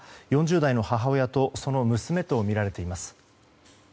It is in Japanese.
４０代の母親とその娘とみられています。